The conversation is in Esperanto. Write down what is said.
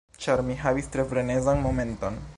Ĉar mi havis tre frenezan momenton.